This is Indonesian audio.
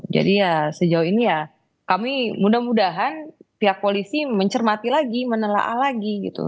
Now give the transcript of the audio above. jadi ya sejauh ini ya kami mudah mudahan pihak polisi mencermati lagi menelaa lagi gitu